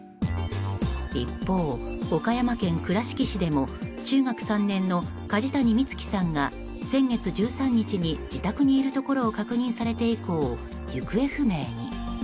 一方、岡山県倉敷市でも中学３年の梶谷恭暉さんが先月１３日に自宅にいるところを確認されて以降、行方不明に。